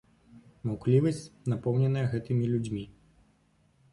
Маўклівасць, напоўненая гэтымі людзьмі!